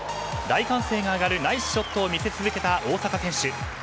大歓声が上がるナイスショットを見せ続けた大坂選手。